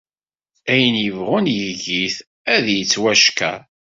Ayen yebɣun yeg-it, ad d-yettwackeṛ.